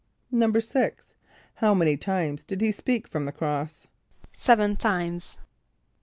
= =6.= How many times did he speak from the cross? =Seven times.